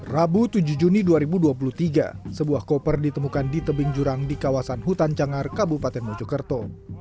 rabu tujuh juni dua ribu dua puluh tiga sebuah koper ditemukan di tebing jurang di kawasan hutan cangar kabupaten mojokerto